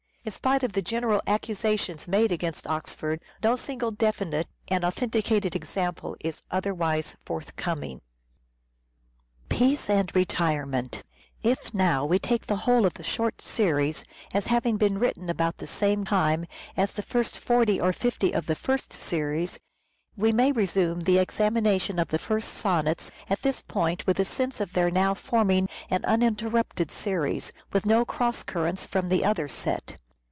In spite of the general accusa tions made against Oxford, no single definite and authenticated example is otherwise forthcoming. Peace and If, now, we take the whole of the short series as having been written about the same time as the first forty or fifty of the first series, we may resume the examination of the first sonnets at this point with a sense of their now forming an uninterrupted series, with no cross currents from the other set.